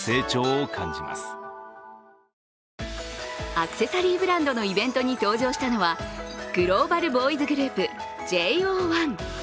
アクセサリーブランドのイベントに登場したのはグローバルボーイズグループＪＯ１。